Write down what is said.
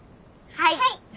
はい。